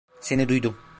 Seni duydum.